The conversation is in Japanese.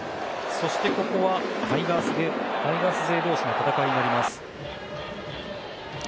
そしてここはタイガース勢同士の戦いになります。